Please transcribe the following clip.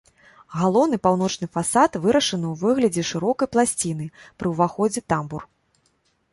Галоўны паўночны фасад вырашаны ў выглядзе шырокай пласціны, пры ўваходзе тамбур.